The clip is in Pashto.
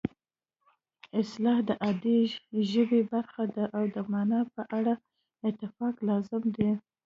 اصطلاح د عادي ژبې برخه ده او د مانا په اړه اتفاق لازم دی